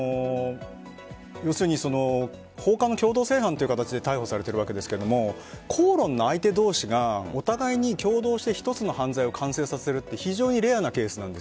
要するに放火の共同正犯という形で逮捕されているわけですが口論の相手同士がお互いに共同して一つの犯罪を完成させるって非常にレアなケースなんです。